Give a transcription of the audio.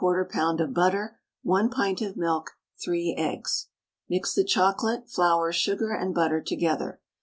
of butter, 1 pint of milk, 3 eggs. Mix the chocolate, flour, sugar, and butter together.